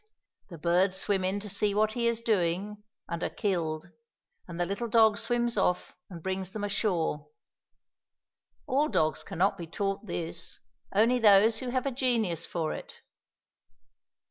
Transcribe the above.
The birds swim in to see what he is doing, and are killed, and the little dog swims off and brings them ashore. All dogs cannot be taught this, only those who have a genius for it.